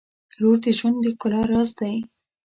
• لور د ژوند د ښکلا راز دی.